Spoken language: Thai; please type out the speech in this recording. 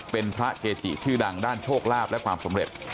เป็นพระเกจิชื่อดังด้านโชคลาภและความสำเร็จ